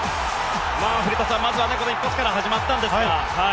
古田さん、まずはこの一発から始まったんですが。